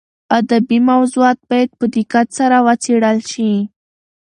ادبي موضوعات باید په دقت سره وڅېړل شي.